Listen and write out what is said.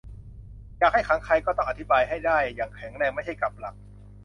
อยากให้ขังใคร ก็ต้องอธิบายให้ได้อย่างแข็งแรง - ไม่ใช่กลับหลัก